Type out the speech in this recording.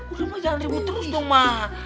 udah ma jangan ribet terus dong ma